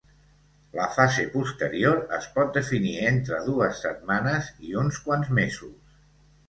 La fase posterior es pot definir entre dues setmanes i uns quants mesos.